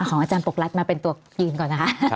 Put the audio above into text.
อาจารย์ปกรัศมาเป็นตัวยืนก่อน